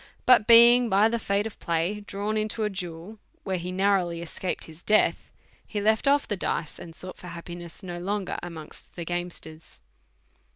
But being by the fate of play drawn into a duel, where he narrowly escaped his death, he left oif the dice, and sought for happi ness no longer amongst the gamesters.